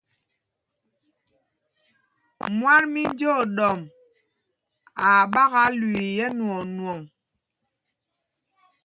Mwán mí Njǒɗɔmb aa ɓākā lüii ɛ́nwɔɔnwɔŋ.